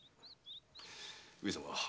上様。